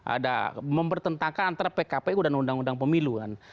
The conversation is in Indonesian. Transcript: ada mempertentangkan antara pkpu dan undang undang pemilu kan